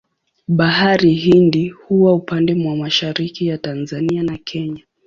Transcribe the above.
Bahari Hindi huwa upande mwa mashariki ya Tanzania na Kenya.